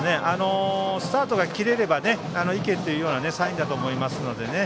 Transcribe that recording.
スタートが切れれば行けというようなサインだと思いますので。